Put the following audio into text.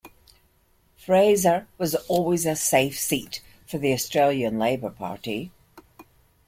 Fraser was always a safe seat for the Australian Labor Party.